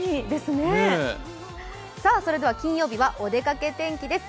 それでは金曜日はお出かけ天気です。